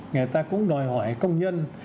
người ta cũng đòi hỏi công nhân